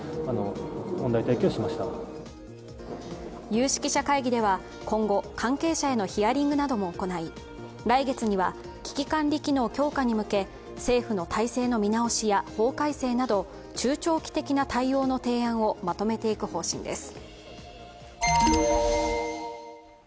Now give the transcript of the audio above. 有識者会議では今後、関係者へのヒアリングなども行い来月には危機管理機能強化に向け政府の体制の見直しや法改正など中長期的な対応の提案をまとめていく方針です。